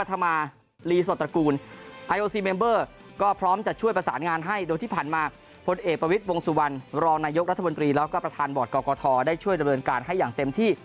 ตอนนายกรัฐบนตรีแล้วก็ประธานบอร์ดกกทได้ช่วยระเบิดการให้อย่างเต็มที่